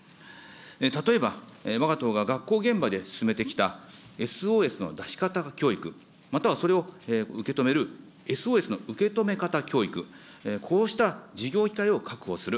例えばわが党が学校現場で進めてきたＳＯＳの出し方教育、またはそれを受け止めるＳＯＳの受け止め方教育、こうした授業機会を確保する。